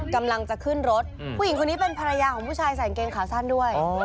กำลังจะขึ้นรถผู้หญิงคนนี้เป็นภรรยาของผู้ชายใส่กางเกงขาสั้นด้วย